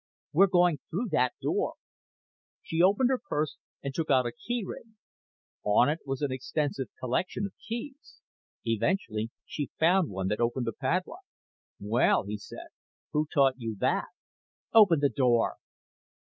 "We're going through that door." She opened her purse and took out a key ring. On it was an extensive collection of keys. Eventually she found one that opened the padlock. "Well!" he said. "Who taught you that?" "Open the door."